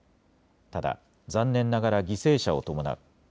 ただ残念ながら犠牲者を伴う。